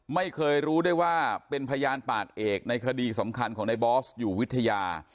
ไม่เคยรู้ได้ว่าเป็นพยานปากเอกในคดีสำคัญของในบอสอยู่วิทยา